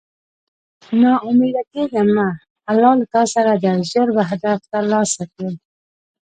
نا اميده کيږه مه الله له تاسره ده ژر به هدف تر لاسه کړی